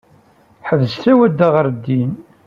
Ḥbes tawadda ɣer din.